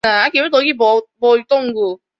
他现在效力于德国足球甲级联赛球队汉堡。